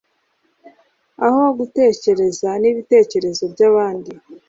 aho gutegereza n'ibitekerezo byabandi